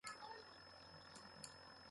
ڙوگ کوئے نوْ؟